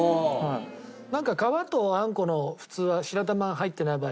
なんか皮とあんこの普通は白玉が入ってない場合